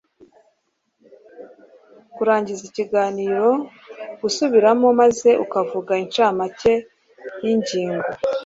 kurangiza ikiganiro gusubiramo maze ukavuga incamake y ingingo